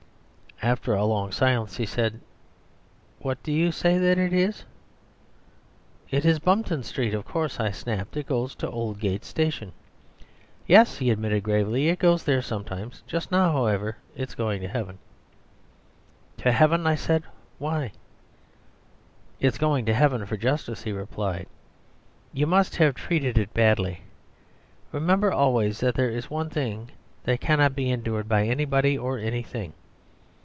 "After a long silence he said, 'What do you say that it is?' "'It is Bumpton Street, of course,' I snapped. 'It goes to Oldgate Station.' "'Yes,' he admitted gravely; 'it goes there sometimes. Just now, however, it is going to heaven.' "'To heaven?' I said. 'Why?' "'It is going to heaven for justice,' he replied. 'You must have treated it badly. Remember always that there is one thing that cannot be endured by anybody or anything.